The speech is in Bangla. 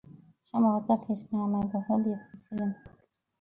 সম্ভবত কৃষ্ণ নামে বহু ব্যক্তি ছিলেন।